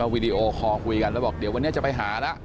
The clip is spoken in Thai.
วีดีโอคอลคุยกันแล้วบอกเดี๋ยววันนี้จะไปหาแล้ว